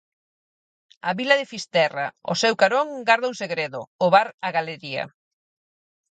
A vila de Fisterra, ó seu carón, garda un segredo, o bar A Galería.